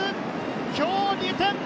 今日２点目！